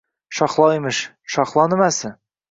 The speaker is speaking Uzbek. Shahlo emish… Shahlo nimasi?